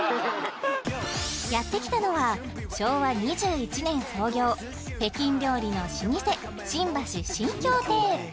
やってきたのは昭和２１年創業北京料理の老舗新橋新橋亭